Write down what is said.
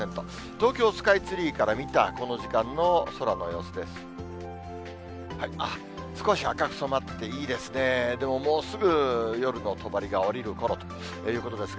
東京スカイツリーから見たこの時間の空の様子です。